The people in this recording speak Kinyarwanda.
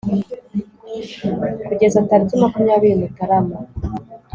kugeza tariki makumyabiri mutarama